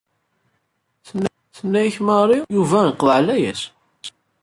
Tenna-k Mari, Yuba iqḍeɛ layas.